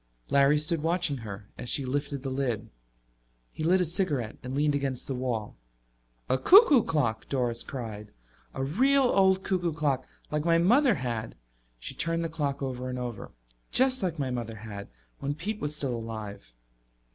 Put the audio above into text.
Larry stood watching her as she lifted the lid. He lit a cigarette and leaned against the wall. "A cuckoo clock!" Doris cried. "A real old cuckoo clock like my mother had." She turned the clock over and over. "Just like my mother had, when Pete was still alive."